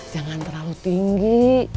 jangan terlalu tinggi